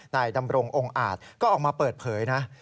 นายดำรงองค์อาจก็ออกมาเปิดเผยนะ